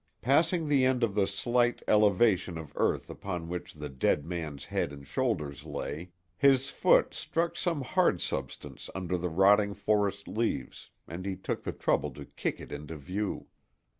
Passing the end of the slight elevation of earth upon which the dead man's head and shoulders lay, his foot struck some hard substance under the rotting forest leaves, and he took the trouble to kick it into view.